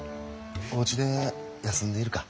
おうちで休んでいるか？